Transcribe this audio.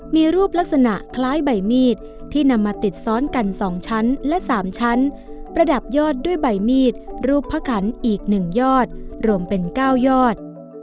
มีรูปลักษณะคล้ายใบมีดที่นำมาติดซ้อนกัน๒ชั้นและ๓ชั้นประดับยอดด้วยใบมีดรูปพระขันอีก๑ยอดรวมเป็น๙ยอด